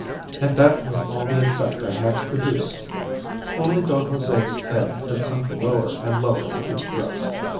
And that was all the effect I had produced! Only Don Jose's head had sunk lower and lower on his breast.